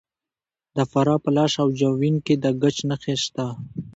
د فراه په لاش او جوین کې د ګچ نښې شته.